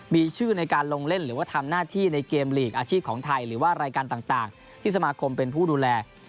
มีชื่อในการลงเล่นหรือว่าทำหน้าที่ในเกมลีกอาชีพของไทยหรือว่ารายการต่างที่สมาคมเป็นผู้ดูแล